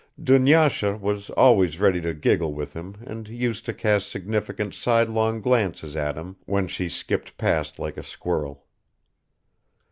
Dunyasha was always ready to giggle with him and used to cast significant sidelong glances at him when she skipped past like a squirrel.